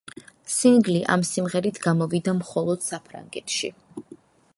სინგლი ამ სიმღერით გამოვიდა მხოლოდ საფრანგეთში.